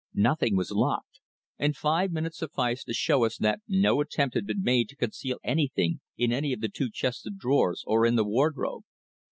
Nothing was locked, and five minutes sufficed to show us that no attempt had been made to conceal anything in any of the two chests of drawers, or in the wardrobe.